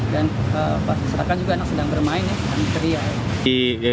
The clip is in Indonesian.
dan pas diserahkan juga anak sedang bermain sedang keria